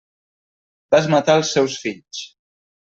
Vas matar els seus fills.